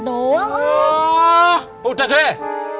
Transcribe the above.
oh udah deh